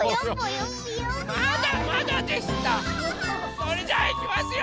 それじゃあいきますよ！